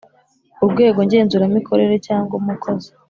Urwego ngenzuramikorere cyangwa umukozi